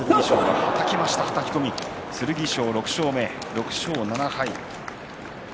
はたき込みで剣翔６勝目、６勝７敗。